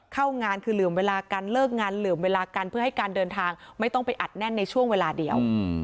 เข้างานคือเหลื่อมเวลากันเลิกงานเหลื่อมเวลากันเพื่อให้การเดินทางไม่ต้องไปอัดแน่นในช่วงเวลาเดียว